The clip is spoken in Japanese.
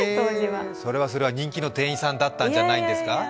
それはそれは人気の店員さんだったんじゃないですか？